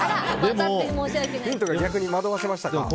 ヒントが逆に惑わせましたか。